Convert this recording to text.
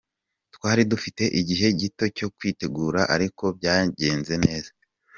Twari dufite igihe gito cyo kwitegura ariko byagenze neza.